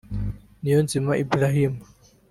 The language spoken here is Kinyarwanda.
Niyonzima Ibrahim